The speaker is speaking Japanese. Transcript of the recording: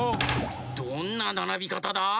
どんなならびかただ？